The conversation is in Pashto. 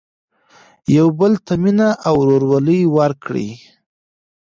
يو بل ته مينه او ورورولي ورکړئ.